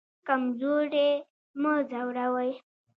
کمزوری مه ځوروئ